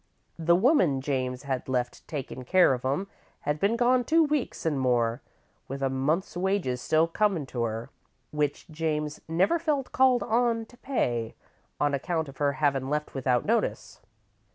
"The woman James had left takin' care of 'em had been gone two weeks an' more, with a month's wages still comin' to her, which James never felt called on to pay, on account of her havin' left without notice.